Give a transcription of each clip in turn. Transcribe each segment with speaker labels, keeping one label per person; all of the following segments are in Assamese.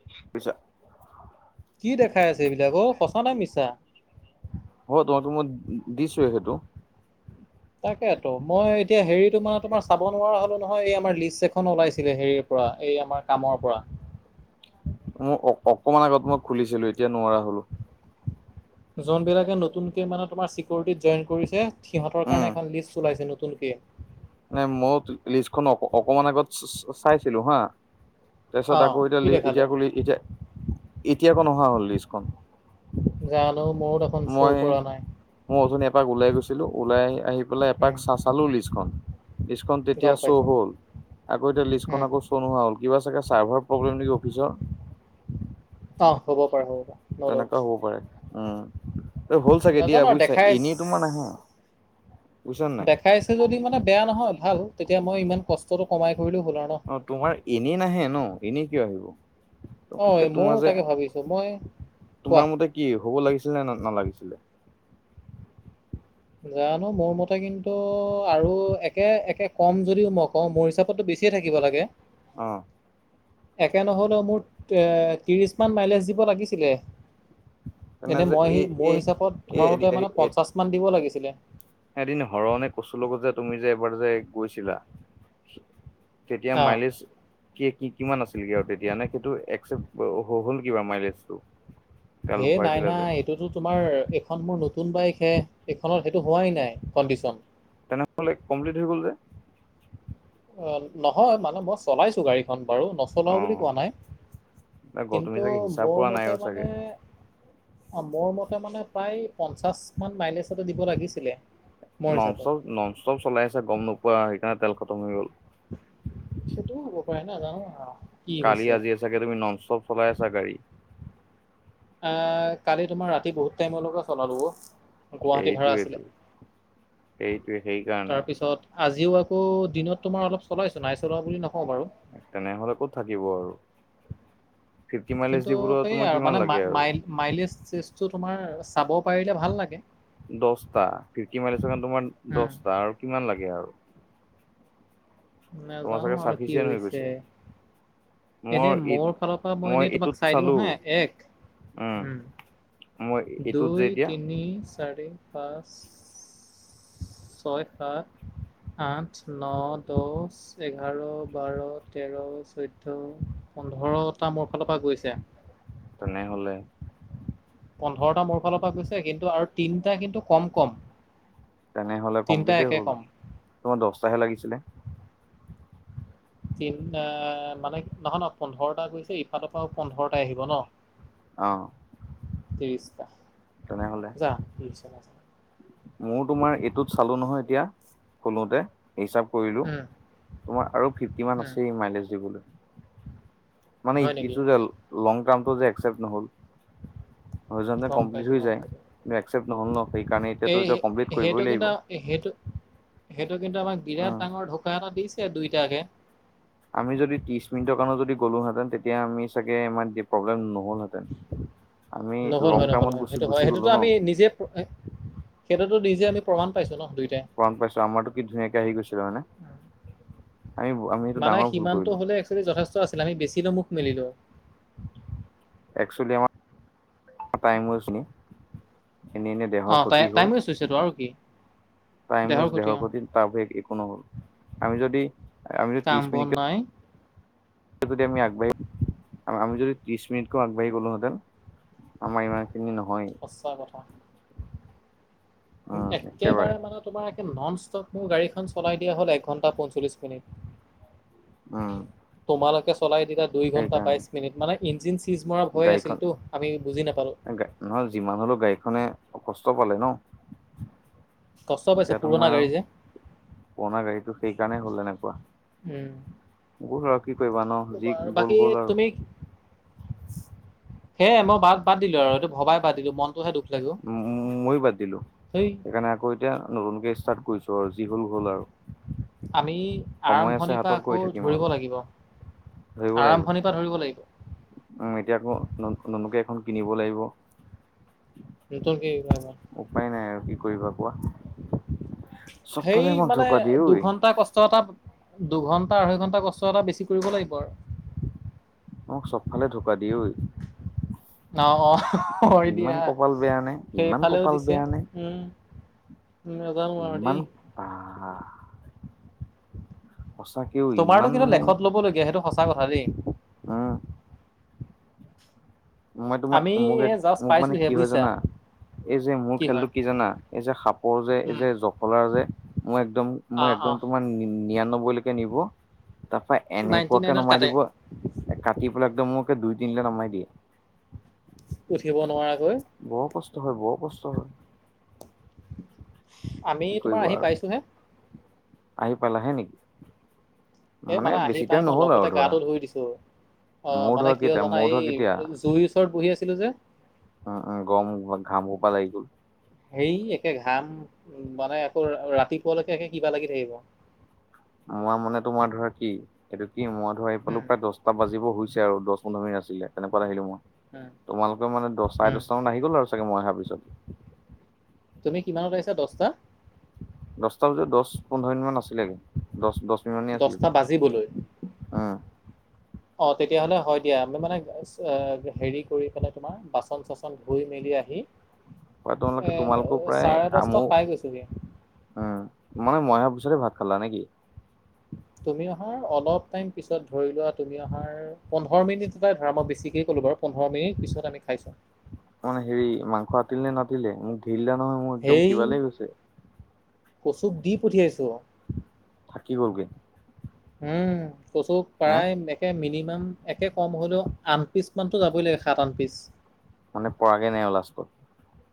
Speaker 1: [unintelligible]
Speaker 2: কি দেখাই আছে এইবিলাক ঔ সঁচা নে মিছা?
Speaker 1: হয় তোমাক তো মই দিছোৱে সেইটো।
Speaker 2: তাকেতো মই এতিয়া হেৰি তোমাৰ তোমাৰ চাব নোৱাৰা হ'লো নহয় এই আমাৰ লিষ্ট এখন ওলাইছিলে হেৰিৰ পৰা এই আমাৰ কামৰ পৰা।
Speaker 1: মোৰ অ অকণমান আগত মই খুলিছিলো এতিয়া নোৱাৰা হ'লো।
Speaker 2: যোনবিলাকে নতুনকে মানে তোমাৰ চিকউৰিটিত জইন কৰিছে সিহঁতৰ কাৰণে এখন লিষ্ট ওলাইছে নতুনকে।
Speaker 1: মানে ময়ো লিষ্টখন অ অকণমান আগত চাইছিলো হা।
Speaker 2: অ
Speaker 1: তাৰপিছত আকৌ এতিয়া
Speaker 2: কি
Speaker 1: লি এতিয়া
Speaker 2: দেখালে
Speaker 1: আকৌ লি এতিয়া এতিয়া আকৌ নহা হ'ল লিষ্টখন।
Speaker 2: জানো মোৰো দেখোন
Speaker 1: মই
Speaker 2: শ্ব' কৰা নাই।
Speaker 1: মই অথনি এপাক ওলাই গৈছিলো ওলাই আহি আহি পেলাই এপাক
Speaker 2: উম,
Speaker 1: চা চালো লিষ্টখন। লিষ্টখন
Speaker 2: গম
Speaker 1: তেতিয়া শ্ব'
Speaker 2: পাইছো
Speaker 1: হ'ল। আকৌ এতিয়া লিষ্টখন
Speaker 2: উম,
Speaker 1: আকৌ শ্ব' নোহোৱা হ'ল, কিবা চাগে চাৰ্ভাৰ প্ৰব্লেম নেকি অফিচৰ?
Speaker 2: অ হ'ব পাৰে হ'ব পাৰে ন' ডাউট
Speaker 1: তেনেকুৱাও হ'ব পাৰে উম। এ হ'ল চাগে দিয়া
Speaker 2: নাজানো আৰু
Speaker 1: বুইছা
Speaker 2: দেখাই
Speaker 1: এনেই তোমাৰ নাহে, বুইছা নে নাই?
Speaker 2: দেখাইছে যদিও মানে বেয়া নহয় ভাল তেতিয়া মই ইমান কষ্টটো কমাই কৰিলে হ'ল আৰু ন।
Speaker 1: অ তোমাৰ এনেই নাহে ন এনেই কিয় আহিব।
Speaker 2: অ
Speaker 1: এ তোমাৰ
Speaker 2: ময়ো
Speaker 1: যে
Speaker 2: তাকে ভাবিছো, মই কোৱা।
Speaker 1: তোমাৰ মতে কি হ'ব লাগিছিলে নে নালাগিছিলে?
Speaker 2: জানো মোৰ মতে কিন্তু আৰু একে একে কম যদিও মই কওঁ মোৰ হিচাপতটো বেছি ছিয়ে থাকিব লাগে।
Speaker 1: অঁ।
Speaker 2: একে নহ'লেও মুঠ এ ত্ৰিশমান মাইলেজ দিব লাগিছিলে।
Speaker 1: তেনে
Speaker 2: এনে
Speaker 1: যে
Speaker 2: মই
Speaker 1: এই
Speaker 2: মোৰ
Speaker 1: এই
Speaker 2: হিচাপত ধৰওঁতে
Speaker 1: এ
Speaker 2: মানে
Speaker 1: এ
Speaker 2: পঞ্চাশ মান দিব লাগিছিলে।
Speaker 1: এদিন হৰ নে কচুৰ লগত যে তুমি যে এবাৰ যে গৈছিলা। তেতিয়া
Speaker 2: অ
Speaker 1: মাইলেজ কি কিমান আছিলগে আৰু তেতিয়া? নে সেইটো একচেপ্ট হ হ'ল কিবা মাইলেজটো? তেল
Speaker 2: হে নাই
Speaker 1: ভৰাইছিলা যে
Speaker 2: নাই এইটোতো তোমাৰ এইখন মোৰ নতুন বাইকহে, এইখনত সেইটো হোৱাই নাই কণ্ডিশন।
Speaker 1: তেনেহলে কমপ্লিট হৈ গ'ল যে?
Speaker 2: অ' নহয় মানে মই চলাইছো গাড়ী খন বাৰু নচলাও বুলি কোৱা নাই,
Speaker 1: অ তুমি
Speaker 2: কিন্তু
Speaker 1: চাগে হিচাপ
Speaker 2: মোৰ
Speaker 1: কৰা নাই
Speaker 2: মতে
Speaker 1: আৰু চাগে
Speaker 2: মানে অ' মোৰ মতে মানে প্ৰায় পঞ্চাছ মান মাইলেছ এটা দিব লাগিছিলে। মোৰ
Speaker 1: নন'
Speaker 2: হিচাপত।
Speaker 1: ষ্টপ, নন' ষ্টপ চলাই আছা গম নোপোৱা, সেইকাৰণে তেল খতম হৈ গ'ল।
Speaker 2: সেইটোৱো হ'ব পাৰে নাজানো আও।
Speaker 1: কালি-আজিয়ে চাগে তুমি নন' ষ্টপ চলাই আছা গাড়ী।
Speaker 2: এহ কালি তোমাৰ ৰাতি বহুত টাইমৰলৈকে চলালো অ'। গুৱাহাটী ভাঢ়া
Speaker 1: সেইটোৱেটো
Speaker 2: আছিলে,
Speaker 1: সেইটোৱে সেইকাৰণে
Speaker 2: তাৰপিছত আজিও আকৌ দিনত তোমাৰ অলপ চলাইছো, নাই চলোৱা বুলি নকওঁ বাৰু।
Speaker 1: তেনেহলে ক'ত থাকিব আৰু, ফিফটি
Speaker 2: কিন্তু
Speaker 1: মাইলেজ দিবলৈ
Speaker 2: সেয়াই
Speaker 1: তোমাৰ
Speaker 2: আৰু মানে
Speaker 1: কিমান
Speaker 2: মা
Speaker 1: লাগে
Speaker 2: মাই
Speaker 1: আৰু?
Speaker 2: মাইলেজ চেজটো তোমাৰ চাব পাৰিলে ভাল লাগে।
Speaker 1: দছটা ফিফটি মাইলেছৰ কাৰণে, তোমাৰ
Speaker 2: উম
Speaker 1: দছটা আৰু কিমান লাগে আৰু? তোমাৰ
Speaker 2: নাজানো
Speaker 1: চাগে
Speaker 2: আৰু কি
Speaker 1: চাফিচিয়েন হৈ
Speaker 2: হৈছে
Speaker 1: গৈছে।
Speaker 2: এনেই
Speaker 1: মই এই,
Speaker 2: মোৰ ফালৰ পৰা এনেই
Speaker 1: মই
Speaker 2: তোমাক চাই
Speaker 1: এইটোত
Speaker 2: দিওঁ
Speaker 1: চালোঁ।
Speaker 2: হা এক
Speaker 1: উম। এইটোত যে
Speaker 2: দুই,
Speaker 1: এতিয়া
Speaker 2: তিনি, চাৰি, পাঁচ। ছয়, সাত, আঠ, ন', দছ এঘাৰ, বাৰ, তেৰ, চৈধ্য, পোন্ধৰটা মোৰ ফালৰ পৰা গৈছে।
Speaker 1: তেনেহ'লে
Speaker 2: পোন্ধৰটা মোৰ ফালৰ পৰা গৈছে, কিন্তু আৰু তিনিটা কিন্তু কম কম।
Speaker 1: তেনেহ'লে
Speaker 2: তিনিটা
Speaker 1: কমপ্লিতে
Speaker 2: একে
Speaker 1: হ'ল,
Speaker 2: কম
Speaker 1: তোমাৰ দহটাহে লাগিছিলে।
Speaker 2: তিনটা মানে নহয় নহয়, পোন্ধৰটা গৈছে। ইফালৰ পৰাও পোন্ধৰটাই আহিব ন'।
Speaker 1: অহ।
Speaker 2: ত্ৰিশ টা।
Speaker 1: তেনে হ'লে
Speaker 2: যা [inaudible]
Speaker 1: মোৰ তোমাৰ এইটোত চালো নহয় এতিয়া, খোলোতে হিচাপ কৰিলো,
Speaker 2: উম
Speaker 1: তোমাৰ আৰু ফিফটি মান
Speaker 2: উম
Speaker 1: আছেই মাইলেজ দিবলে। মানে
Speaker 2: হয় নেকি
Speaker 1: ইকিছু জেল লং টাৰ্মটো যে একচেপট নহ'ল। হয় যোৱা হেতেন
Speaker 2: গম
Speaker 1: কমপ্লিট
Speaker 2: পাইছো
Speaker 1: হৈ
Speaker 2: গম
Speaker 1: যায়,
Speaker 2: পাইছো
Speaker 1: কিন একচেপ্ট নহল ন সেইকাৰণে এতিয়াতো
Speaker 2: এই
Speaker 1: এতিয়া
Speaker 2: হেই
Speaker 1: কমপ্লিট
Speaker 2: সেইটো
Speaker 1: কৰিবই লাগিব
Speaker 2: কিন্তু সেইটো, সেইটো কিন্তু আমাক বিৰাট
Speaker 1: উম
Speaker 2: ডাঙৰ ঢুকা এটা দিছে, দুইটাকে।
Speaker 1: আমি যদি ত্ৰিছ-মিনিটৰ কাৰণেও যদি গ'লো হেতেন, তেতিয়া আমি চাগে ইমান প্ৰব্লেম নহ'ল হেতেন।
Speaker 2: নহ'ল হয়, নহ'ল হয়,
Speaker 1: গুচি
Speaker 2: সেইটো হয়।
Speaker 1: গুচি গ'লো
Speaker 2: সেইটোতো
Speaker 1: ন
Speaker 2: আমি নিজে ফ্ৰ এ সেইটোতো নিজে আমি প্ৰমাণ পাইছোঁ ন' দুইটাই।
Speaker 1: প্ৰমাণ পাইছো, আমাৰতো কি ধুনীয়াকে আহি গৈছে নহয়নে, আমি, আমি সেইটো ডাঙৰ ভুল কৰিলোঁ।
Speaker 2: সেইটো যথেষ্ট আছিলে, আমি বেছিলৈ মুখ মেলিলোঁ।
Speaker 1: একচুৱেলি আমাৰ, [inaudible] টাইম‌ ৱেষ্ট হল, এনেই এনেই
Speaker 2: অ
Speaker 1: দেহৰ
Speaker 2: তাই
Speaker 1: ক্ষতি হ'ল।
Speaker 2: টাইমে চুইছেতো আৰু কি
Speaker 1: টাইম ৱেষ্ট, দেহৰ ক্ষতি তাৰ বাহিৰে এ-একো নহ'ল, আমি যদি আমি
Speaker 2: কাম
Speaker 1: ত্ৰিশ
Speaker 2: বন
Speaker 1: মিনিতকে
Speaker 2: নাই
Speaker 1: কে যদি আমি আগবাঢ়ি, [inaudible] আমি যদি ত্ৰিছ মিনিটকৈও আগবাঢ়ি গ'লো হেঁতেন। আমাৰ ইমান খিনি নহয়েই।
Speaker 2: সঁচা কথা। তুমি একেবাৰে মানত তোমাৰ একে নন' ষ্টপ মোৰ গাড়ীখন চলাই দিয়া হ'ল এক ঘন্টা পঞ্চল্লিশ মিনিট।
Speaker 1: উম।
Speaker 2: তোমালোকে চলাই দিলা দুই ঘণ্টা
Speaker 1: সেইকাৰণে
Speaker 2: বাইশ মিনিট। মানে ইঞ্জিন চিজ মৰা ভয় আছিল
Speaker 1: গাড়ীখন
Speaker 2: টো, আমি বুজি নাপালো।
Speaker 1: নহয়, যিমান হ'লেও গাড়ীখনে অসুস্থ পালে ন'?
Speaker 2: কষ্ট পাইছে
Speaker 1: এতিয়া
Speaker 2: পুৰণা
Speaker 1: তোমাৰ
Speaker 2: গাড়ী যে
Speaker 1: পুৰণা গাড়ীটো সেইকাৰণেই হ'ল এনেকুৱা।
Speaker 2: উম।
Speaker 1: হ'ল আৰু কি কৰিবা ন',
Speaker 2: ক'বা
Speaker 1: যি
Speaker 2: আৰু বাকী
Speaker 1: গ'ল গ'ল আৰু।
Speaker 2: তুমি সেয়ে মই বাদ বাদ দিলো আৰু সেইটো ভবাই বাদ দিলো মনটোহে দুখ লাগে অ'
Speaker 1: ম-ময়ো বাদ দিলো
Speaker 2: ধেই
Speaker 1: সেইকাৰণে আকৌ এতিয়া নতুনকে ষ্টাৰ্ট কৰিছো আৰু যি হ'ল হ'ল আৰু।
Speaker 2: আমি
Speaker 1: সময় আছে
Speaker 2: আৰম্ভণিৰ পৰা
Speaker 1: হাতত কৰি
Speaker 2: আকৌ
Speaker 1: থাকিম
Speaker 2: ধৰিব
Speaker 1: আৰু
Speaker 2: লাগিব।
Speaker 1: ধৰিব লাগিব
Speaker 2: আৰম্ভণিৰ পা ধৰিব লাগিব।
Speaker 1: উম, এতিয়া আকৌ ন নুতুনকে এখন কিনিব লাগিব।
Speaker 2: নতুন গাড়ী ল'বা
Speaker 1: উপায় নাই আৰু কি কৰিবা কোৱা
Speaker 2: সেই
Speaker 1: চবফালে আমাক
Speaker 2: মানে
Speaker 1: ঢকা দিয়ে ঐ
Speaker 2: দুঘন্টা কষ্ট এটাত দুঘণ্টা আঢ়ৈ ঘণ্টা কষ্ট এটা বেছি কৰিব লাগিব আৰু
Speaker 1: মোক চবফালে ধোকা দিয়ে ঐ
Speaker 2: না অ অ হয় দিয়া
Speaker 1: ইমান কপাল বেয়া নে ইমান
Speaker 2: সেইফালেও
Speaker 1: কপাল
Speaker 2: দিছে
Speaker 1: বেয়া নে
Speaker 2: উম উম নেজানো আৰু
Speaker 1: ইমান
Speaker 2: দেই
Speaker 1: বা সঁচাকেও ইমান
Speaker 2: তোমাৰতো কিন্তু
Speaker 1: মানে
Speaker 2: লেখত লব লগগীয়া সেইটো সঁচা কথা দেই
Speaker 1: উম মই তোমাৰ
Speaker 2: আমি
Speaker 1: মোক
Speaker 2: এই জাষ্ট
Speaker 1: মোক মানে
Speaker 2: পাইছোহে
Speaker 1: কি হয়
Speaker 2: বুজিছা
Speaker 1: জানা এই যে মোৰ খেলটো কি জানা এই যে সাপৰ যে এই
Speaker 2: উম
Speaker 1: যে জখলাৰ যে মই একদম
Speaker 2: অ
Speaker 1: মই
Speaker 2: অ
Speaker 1: একদম তোমাৰ নিৰান্নব্বৈলৈ কে নিব তাৰপা
Speaker 2: নাইনটি
Speaker 1: এনেকুৱাকে
Speaker 2: নাইনত
Speaker 1: নমাই
Speaker 2: কাটে
Speaker 1: দিব এ কাটি পেলাই একদম মোক দুই তিনিটে নমাই দিয়ে
Speaker 2: উঠিব নোৱাৰাকৈ
Speaker 1: বৰ কষ্ট হয় বৰ কষ্ট হয়
Speaker 2: আমি
Speaker 1: কি
Speaker 2: তোমাৰ
Speaker 1: কৰিবা
Speaker 2: আহি
Speaker 1: আৰু
Speaker 2: পাইছো হে
Speaker 1: আহি পালাহে নেকি
Speaker 2: এ মানে আহি
Speaker 1: বেছি
Speaker 2: পাই
Speaker 1: টাইম
Speaker 2: মই
Speaker 1: নহ'ল আৰু
Speaker 2: লগতে
Speaker 1: ধৰা
Speaker 2: গাটো ধুই দিছো অ
Speaker 1: মোৰ
Speaker 2: মানে
Speaker 1: ধৰা
Speaker 2: কিয়
Speaker 1: কেইটা
Speaker 2: জানা
Speaker 1: মোৰ
Speaker 2: এই
Speaker 1: ধৰা কেতিয়া
Speaker 2: জুইৰ ওচৰত বহি আছিলো যে
Speaker 1: উম উম গম ঘাম হোপা লাগি গ'ল
Speaker 2: হেই একে ঘাম উ মানে আকৌ ৰাতিপুৱালৈকে একে কিবা লাগি থাকিব
Speaker 1: মই মানে তোমাৰ ধৰা কি এইটো কি মই ধৰা এই পালো
Speaker 2: উম
Speaker 1: প্ৰায় দছ তাত বাজিবই হৈছে আৰু দহ পোন্ধৰ মিনিট আছিলে তেনেকুৱাত আহিলো মই
Speaker 2: উম
Speaker 1: তোমালোকে মানে দহ চাৰে
Speaker 2: উম
Speaker 1: দছটা মান আহি গ'লা আৰু চাগে মই অহাৰ পিছত
Speaker 2: তুমি কিমানত আহিছা দহটা
Speaker 1: দহটা বজাত দহ পোন্ধৰ মিনিট মান আছিলেগে দহ দহ মিনিট মান আছিলোগ,
Speaker 2: দহটা বাজিবলৈ
Speaker 1: উম
Speaker 2: অ তেতিয়াহলে হয় দিয়া আমি মানে হেৰি কৰি পেলাই তোমাৰ বাচন চাচন ধুই মেলি আহি
Speaker 1: প্ৰায় তোমালোকে
Speaker 2: এ
Speaker 1: তোমালোকো প্ৰায়
Speaker 2: চাৰে দছটাত
Speaker 1: মোৰ
Speaker 2: পাই গৈছোগে
Speaker 1: উম মানে মই অহা পিছতে ভাত খালা নেকি
Speaker 2: তুমি অহাৰ অলপ টাইম পিছত ধৰি লোৱা তুমি অহাৰ পোন্ধৰ মিনিটাই ধৰা মই বেছিকেই ক'লো বাৰু পোন্ধৰ মিনিট পিছত আমি খাইছো
Speaker 1: মানে হেৰি মাংস আতিল নে নাতিলে, মোক ঢেই দিলা নহয় মোৰ একদম
Speaker 2: সেই
Speaker 1: কিবা লাগি গৈছে
Speaker 2: কচুক দি পঠিয়াইছো
Speaker 1: থাকি গলগে
Speaker 2: উম কচু
Speaker 1: হে
Speaker 2: প্ৰায় নে একে মিনিমাম একে কম হ'লেও আঠ পিচ মানটো যাবই লাগে সাত আঠ পিচ
Speaker 1: মানে পৰাগে নাই আৰু লাষ্টত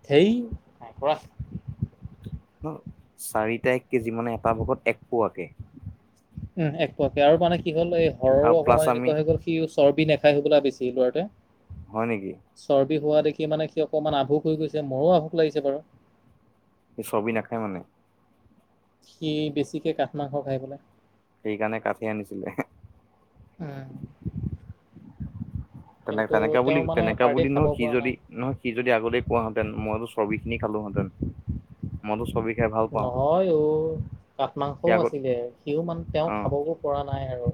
Speaker 2: সঠেই নাই পৰা
Speaker 1: চাৰিটা এক কেজি মানে এটা ভাগত এক পোৱাকে
Speaker 2: উম এক প্ৰকাৰৰ মানে কি হ'ল এই হৰৰো
Speaker 1: আৰু প্লাছ
Speaker 2: অকণমান
Speaker 1: আমি
Speaker 2: এনেুৱা হৈ গ'ল সি উচ চৰ্বি নাখাই সবলা বেছি লৰাতোৱে
Speaker 1: হয় নেকি
Speaker 2: চৰ্বি হোৱা দেখি মানে সি অকণমান আভোক হৈ গৈছে মোৰো আভোক লাগিছে বাৰু
Speaker 1: সি চৰ্বি নাখায় মানে
Speaker 2: সি বেছিকে কাঠ মাংস খায় বোলে।
Speaker 1: সেইকাৰণে কঠেই আনিছিলে।
Speaker 2: উম।
Speaker 1: তেনে
Speaker 2: কিন্তু
Speaker 1: তেনেকা বুলি
Speaker 2: তেওঁ মানে
Speaker 1: তেনেকা
Speaker 2: পাৰ্টি
Speaker 1: বুলি নহ
Speaker 2: খাব
Speaker 1: সি
Speaker 2: পৰা
Speaker 1: যদি
Speaker 2: নাই।
Speaker 1: নহয় সি যদি আগতে কোৱাহেতেন মইতো চৰ্বিখিনি খালোহেতেন। মইতো চৰ্বি খায়
Speaker 2: নহয় ঔ কাঠ
Speaker 1: সি
Speaker 2: মাংসও
Speaker 1: আগত
Speaker 2: আছিলে, সিও মানে তেওঁ খাব পৰা নাই আৰু।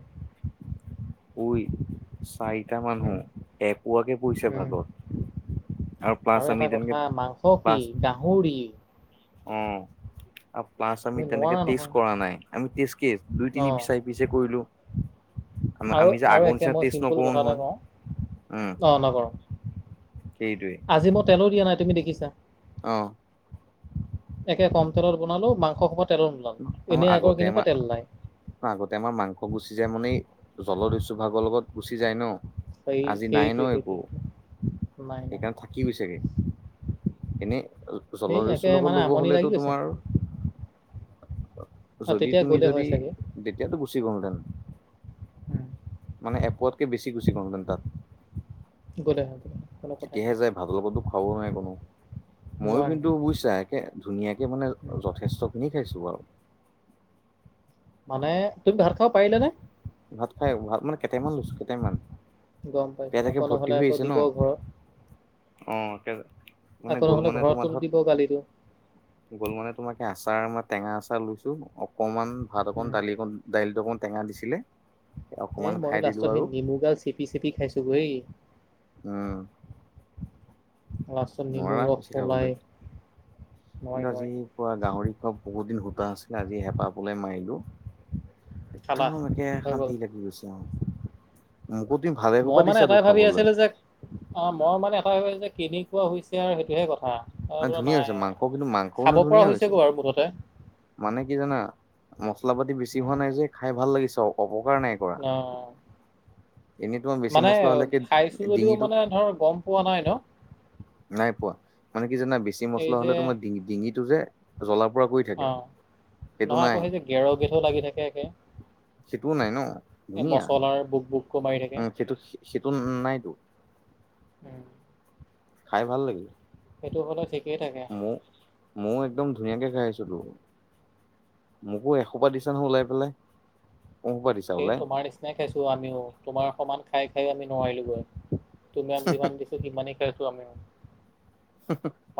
Speaker 1: ঐ চাৰিটা
Speaker 2: উম,
Speaker 1: মানুহ এপোৱাকে পৰিছে
Speaker 2: উম,
Speaker 1: ভাগত! প্লাছ
Speaker 2: আৰু
Speaker 1: আমি
Speaker 2: এটা
Speaker 1: তেনেকে
Speaker 2: কথা মাংস কি গাহৰি।
Speaker 1: অঁ। প্লাচ আমি
Speaker 2: তুমি
Speaker 1: তেনেকে
Speaker 2: নোৱাৰা
Speaker 1: টেষ্ট
Speaker 2: নহয়
Speaker 1: কৰা নাই আমি টেষ্ট কি দুই
Speaker 2: অ
Speaker 1: তিনি পি চাৰি পিছে কৰিলো। আমা
Speaker 2: আৰু
Speaker 1: আমি যে
Speaker 2: আৰু
Speaker 1: আগৰ
Speaker 2: একে
Speaker 1: নিচিনা
Speaker 2: মই
Speaker 1: টষ্ট
Speaker 2: চিম্পুল
Speaker 1: নকৰোঁ
Speaker 2: কথা এটা
Speaker 1: নহয়
Speaker 2: কওঁ
Speaker 1: উম।
Speaker 2: অ নকৰো
Speaker 1: সেইটোৱে।
Speaker 2: আজি মই তেলো দিয়া নাই তুমি দেখিছা।
Speaker 1: অহ।
Speaker 2: একে কম তেলত বনালো মাংস সোপা তেলো নোলালো, এনেই আগৰ কেনেকুৱা তেল নাই।
Speaker 1: ন আগতে আমাৰ মাংস গুচি যায় মানে এই জল দৈছো ভাগৰ লগত গুচি যায় ন।
Speaker 2: সেই
Speaker 1: আজি নাই
Speaker 2: সেইটোৱে
Speaker 1: ন একো
Speaker 2: সেইটোৱে সেইটো নাই নাই
Speaker 1: সেইকাৰণ থাকি গৈছেগে। এনেই জল
Speaker 2: সেই একে
Speaker 1: দৈছো লগত
Speaker 2: মানে
Speaker 1: ল'ব
Speaker 2: আমনি লাগি
Speaker 1: হ'লেতো
Speaker 2: গৈছে
Speaker 1: তোমাৰ
Speaker 2: আৰু
Speaker 1: যদি
Speaker 2: তেতিয়া
Speaker 1: তুমি
Speaker 2: গ'লে হয়
Speaker 1: যদি
Speaker 2: চাগে
Speaker 1: তেতিয়াতো গুচি গলহেতেন।
Speaker 2: উম,
Speaker 1: মানে এপোৱাতকে বেছি গুছি গলহেতেন তাত।
Speaker 2: গলহেতেন কোনো কথাই
Speaker 1: তেতিয়াহে
Speaker 2: নাই।
Speaker 1: যায় ভাতৰ লগতো খাৱও নোৱাৰে কোনো, মইও
Speaker 2: নোৱাৰে
Speaker 1: কিন্তু
Speaker 2: নোৱাৰে
Speaker 1: বুইছা হে ধুনীয়াকে মানে
Speaker 2: উম,
Speaker 1: যথেষ্ট খিনি খাইছো বাও।
Speaker 2: মানে তুমি ভাত খাব পাৰিলা নে?
Speaker 1: ভাত খায় ভাত মানে কেইটাই মান লৈছো কেইটাই মান,
Speaker 2: গম পাইছো
Speaker 1: পেট একে
Speaker 2: আকৌ
Speaker 1: ভৰ্তি
Speaker 2: নহ'লে
Speaker 1: হৈ
Speaker 2: আকৌ
Speaker 1: আহিছে ন।
Speaker 2: দিব ঘৰত
Speaker 1: অঁ একে মানে
Speaker 2: আকৌ
Speaker 1: গ'ল
Speaker 2: নহ'লে
Speaker 1: মানে
Speaker 2: ঘৰতো
Speaker 1: তোমাৰ ধৰক
Speaker 2: দিব গালিটো
Speaker 1: গ'ল মানে তোমাকে আচাৰ মই টেঙা আচাৰ লৈছো অকণমান ভাত অকণ
Speaker 2: উম,
Speaker 1: দালি অকণ দাইলটো অকমান টেঙা দিছিলে
Speaker 2: এ
Speaker 1: অকমান
Speaker 2: মই
Speaker 1: খাই দিলো
Speaker 2: লাষ্টত সেই
Speaker 1: আৰু
Speaker 2: নেমু গাল চেপি চেপি খাইছো বেই।
Speaker 1: উম।
Speaker 2: লাষ্টত নেমুৰ
Speaker 1: নোৱাৰা
Speaker 2: ৰস
Speaker 1: বেছি খাবলৈ
Speaker 2: উলাই,
Speaker 1: কিন্তু
Speaker 2: নোৱাৰি
Speaker 1: আজি
Speaker 2: নোৱাৰি।
Speaker 1: গাহৰি খোৱা বহুত দিন সূতা আছিলে আজি হেপাহ পলোৱাই মাৰিলো।
Speaker 2: খালা
Speaker 1: একদম একে
Speaker 2: হৈ গ'ল
Speaker 1: শান্তি লাগি গৈছে আও। মোকো তুমি ভালে সোপা
Speaker 2: মই মানে
Speaker 1: দিছা তো
Speaker 2: এটাই ভাবি
Speaker 1: খাবলৈ।
Speaker 2: আছিলোঁ যে অ মই মানে এটা যে কেনেকুৱা হৈছে আৰু সেইটোহে কথা। অ
Speaker 1: মানে
Speaker 2: বোলো
Speaker 1: ধুনীয়া
Speaker 2: নাই
Speaker 1: হৈছে
Speaker 2: অঁ,
Speaker 1: মাংস কিন্তু
Speaker 2: খাব
Speaker 1: মাংসকনো
Speaker 2: পৰা
Speaker 1: ধুনীয়া
Speaker 2: হৈছে গৈ আৰু মুঠতে।
Speaker 1: মানে কি জানা? মছলা পাতি বেছি হোৱা নাই যে খায় ভাল লাগিছে অপকাৰ নাই। কৰা
Speaker 2: অঁ।
Speaker 1: এনেই তোমাৰ বেছি মছলা হ'লে কি
Speaker 2: খাইছো যদিও
Speaker 1: ডিঙিটো
Speaker 2: মানে ধৰ গম পোৱা নাই ন
Speaker 1: নাই পোৱা মানে কি জানা? বেছি
Speaker 2: এই
Speaker 1: মছলা হলে
Speaker 2: যে
Speaker 1: তোমাৰ ডিঙ ডিঙিটো যে জ্বলা পুৰা কৰি থাকে
Speaker 2: অঁ
Speaker 1: সেইটো
Speaker 2: নহয় আকৌ
Speaker 1: নাই
Speaker 2: সেই যে গেৰ গেথোও লাগি থাকে একে।
Speaker 1: সেইটোও নাই ন।
Speaker 2: এ মচলাৰ বুক বুক কো মাৰি থাকে।
Speaker 1: সেইটো-সেইটো নাইতো।
Speaker 2: উম।
Speaker 1: খাই ভাল লাগিল।
Speaker 2: সেইটো হ'লে ঠিকেই থাকে।
Speaker 1: মইও একদম ধুনীয়াকে খাই আছো তো। মোকো এসোপা দিছে নহয় ওলাই পেলাই। কোনসোপা দিছা
Speaker 2: এই
Speaker 1: ওলাই
Speaker 2: তোমাৰ নিচিনাই খাইছো আমিও তোমাৰ সমান খাই খাই আমি নোৱাৰিলোগে। তোমাক যিমান দিছে সিমানে খাইছোঁ আমিও।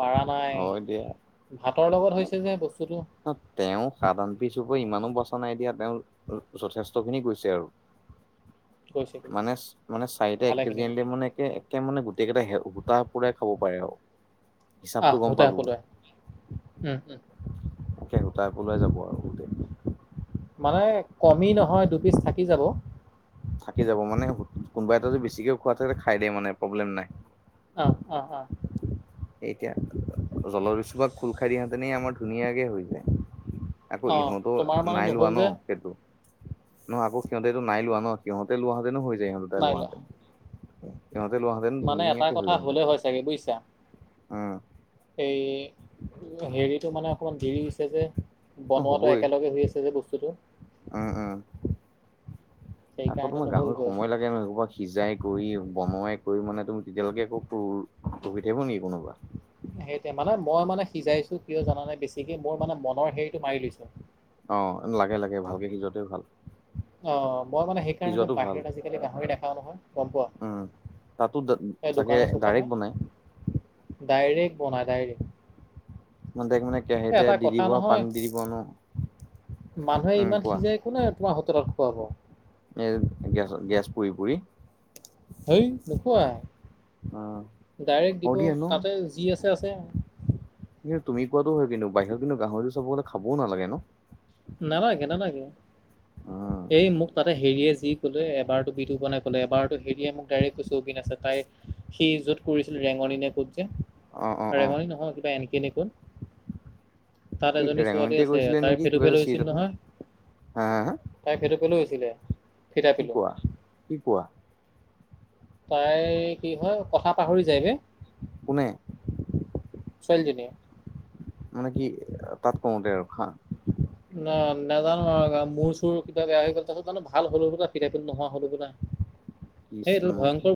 Speaker 2: পাৰা নাই
Speaker 1: হয় দিয়া।
Speaker 2: ভাতৰ লগত হৈছে যে বস্তুটো।
Speaker 1: নহ তেওঁ সাধাৰণ পিছো হৈ ইমানো বচা নাই দিয়া, তেওঁ যথেষ্ট খিনি কৰিছে আৰু।
Speaker 2: [inaudible] গৈছে
Speaker 1: মানে, মানে চাৰিটা এক
Speaker 2: ভালেখিনি
Speaker 1: কেজি আনিলে
Speaker 2: গৈছে
Speaker 1: মানে একে কে মানে গোটেই কেইটা হে-হুটাহ পুৰাই খাব পাৰে আৰু। হিচাপটো গম পালো
Speaker 2: [unintelligible] উম, উম।
Speaker 1: তাকে হুতা পলোৱাই যাব আৰু গোটেই।
Speaker 2: মানে কমি নহয় দুপিচ থাকি যাব।
Speaker 1: থাকি যাব মানে কোনোবা এটা যদি বেছিকে খোৱা থাকে খাই দে মানে প্ৰব্লেম নাই।
Speaker 2: অ', অ', অ'।
Speaker 1: এতিয়া, জলদস্যু ভাগ খোল খাই দিয়া হেতেনেই আমাৰ ধুনীয়াকে হৈ যায়। আকৌ
Speaker 2: আহ তোমাৰ
Speaker 1: ইহঁতৰো
Speaker 2: মানে
Speaker 1: নাই
Speaker 2: নহ'ল
Speaker 1: লোৱা ন
Speaker 2: যে
Speaker 1: সেইটো। নহয় আকৌ সিহঁতে এইটো নাই লোৱা ন, সিহঁতে লোৱা হেতেনও হৈ যায় ইহঁতৰ। লোৱা হেতেন, সিহঁতে লোৱা হেতেন
Speaker 2: মানে এটা
Speaker 1: ধুনিয়াকে হৈ
Speaker 2: কথা
Speaker 1: গ'ল হেতেন।
Speaker 2: হ'লে হয় চাগে বুজিছা
Speaker 1: উম।
Speaker 2: এই হেৰিটো মানে অকণমান দেৰি হৈছে যে। বনোৱাটো
Speaker 1: হ'বই
Speaker 2: একেলগে হৈ আছে যে বস্তুটো।
Speaker 1: উম, উম। আকৌ
Speaker 2: সেইকাৰণে
Speaker 1: তোমাৰ গাহৰি
Speaker 2: নহ'লগৈ
Speaker 1: সময় লাগে নহ এইসোপা সিজাই কৰি বনোৱাই কৰি মানে তুমি তেতিয়ালৈকে আকৌ ৰখি থাকিব নেকি কোনোবা?
Speaker 2: সেইটোৱে, মানে মই মানে সিজাইছো কিয় জানানে বেছিকে? মোৰ মানে মনৰ হেৰিটো মাৰি লৈছো।
Speaker 1: অ', লাগে লাগে, ভালকে সিজোৱাটোৱে ভাল।
Speaker 2: অ', মই মানে সেইকাৰণে যে
Speaker 1: সিজোৱাটো ভাল
Speaker 2: বাহিৰত আজিকালি গাহৰি দেখাও নহয়, গম
Speaker 1: উম।
Speaker 2: পোৱা?
Speaker 1: তাতো
Speaker 2: এই
Speaker 1: ডা-চাগে
Speaker 2: দোকানে চোকানে
Speaker 1: ডাইৰেক্ট বনাই।
Speaker 2: ডাইৰেক্ট বনাই, ডাইৰেক্ট।
Speaker 1: মানে ডাইৰেক্ট মানে
Speaker 2: এ
Speaker 1: কেৰাহীতে
Speaker 2: এটা
Speaker 1: দি
Speaker 2: কথা
Speaker 1: দিব,
Speaker 2: নহয়
Speaker 1: পানি দি দিব, ন?
Speaker 2: মানুহে
Speaker 1: উম
Speaker 2: ইমান
Speaker 1: কোৱা
Speaker 2: সিজাই কোনে তোমাক হোটেলত খুৱাব?
Speaker 1: এ গেছ, গেছ পুৰি পুৰি।
Speaker 2: হেই নোপোৱা,
Speaker 1: উম
Speaker 2: ডাইৰেক্ট
Speaker 1: অ
Speaker 2: দিব,
Speaker 1: দিয়া ন
Speaker 2: তাতে যি আছে আছে আও।
Speaker 1: কিন্তু তুমি কোৱাটো হয় কিন্তু, বাহিৰত কিন্তু গাহৰি চাব গ'লে খাবও নালাগে ন?
Speaker 2: নালাগে, নালাগে।
Speaker 1: উম
Speaker 2: সেই মোক তাতে হেৰিয়ে যি ক'লে, এবাৰটো বিতুপনে ক'লে, এবাৰটো হেৰিয়ে মোক ডাইৰেক্ট কৈছে অবিনাশে তাই সি য'ত কৰিছিল, ৰেঙনি নে ক'ত যে।
Speaker 1: অ', অ', অ।
Speaker 2: নহয় নহয়, কিবা এন কে নে ক'ত, তাত
Speaker 1: সি
Speaker 2: এজনী ছোৱালী
Speaker 1: ৰেঙনিতে
Speaker 2: আছে
Speaker 1: কৈছিলে
Speaker 2: তাই
Speaker 1: নেকি কিবা
Speaker 2: সেইটোকে
Speaker 1: এটা
Speaker 2: লৈ
Speaker 1: চিৰিয়েলখন
Speaker 2: নহয়,
Speaker 1: হা হা হা
Speaker 2: তাই সেইটোকে লৈ গৈছিলে।
Speaker 1: কি কোৱা, কি কোৱা।
Speaker 2: তাই কি হয়, কথা পাহৰি যায়গে?
Speaker 1: কোনে?
Speaker 2: ছোৱালীজনীয়ে।
Speaker 1: মানে কি, তাত কওঁতে আৰু খা
Speaker 2: [inaudible] না নাজানো নহয়, মোৰ চোৰ কিবা বেয়া হৈ গ'ল, তাৰপিছত জানো ভাল হ'লো থিতাপিনো নোহোৱা হ'লো কিবা।
Speaker 1: কৃষ্ণ